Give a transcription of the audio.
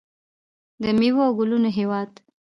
د میوو او ګلونو هیواد.